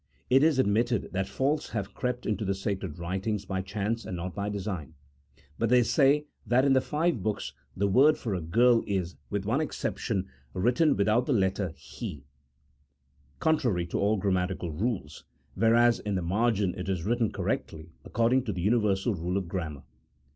It is admitted that faults have crept into the sacred writings by chance and not by design ; but they say that in the five books the word for a girl is, with one exception, written without the letter " he," con trary to all grammatical rules, whereas in the margin it is written correctly according to the universal rule of grammar.